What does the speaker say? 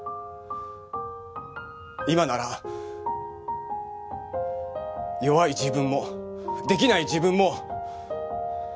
今なら弱い自分もできない自分も受け入れられる。